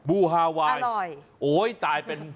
บูฮาวาย์อร่อยโอ้ยไฮเป็น